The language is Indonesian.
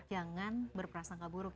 jangan berperasangka buruk ya